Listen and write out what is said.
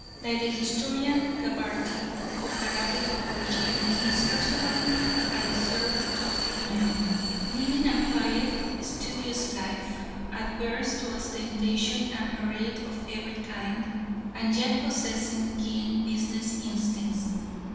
Like the historian Gabarty, of Arabic origin he is personally a reserved, thoughtful man, leading a quiet, studious life, adverse to ostentation and parade of every kind, and yet possessing keen business instincts.